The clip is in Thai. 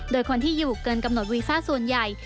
โดยคนที่อยู่เกินกำหนดวีซ่าส่วนใหญ่